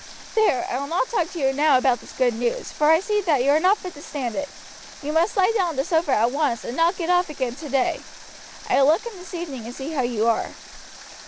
There, I will not talk to you now about this good news, for I see that you are not fit to stand it. You must lie down on the sofa at once, and not get off again today. I will look in this evening and see how you are."